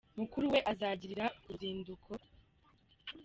Mukuru wa azagirira uruzinduko.